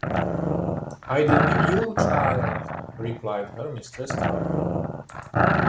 "I did mean you, child," replied her mistress calmly.